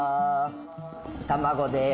卵でーす。